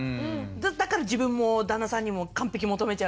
だから自分も旦那さんにも完璧求めちゃうし。